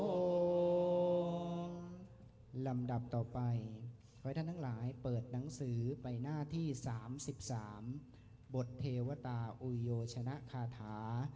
ลำดับต่อไปขอให้ท่านทั้งหลายเปิดหนังสือไปหน้าที่๓๓บทเทวตาอุยโยชนะคาถา